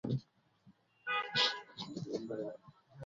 তিনি রোজগার যেমন করতেন খরচও তেমন করতেন।